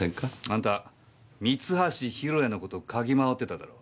あんた三橋弘也の事嗅ぎ回ってただろ。